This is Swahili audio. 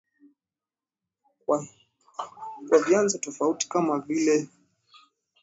kwa vyanzo tofauti kama vile zifuatazoKumwaga kwa viwandaKumwaga